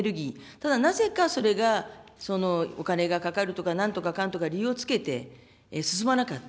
ただなぜかそれが、お金がかかるとか、なんとかかんとか理由をつけて、進まなかった。